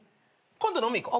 今度飲みに行こう。